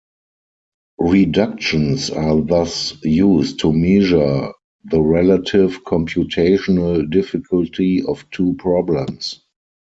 Reductions are thus used to measure the relative computational difficulty of two problems.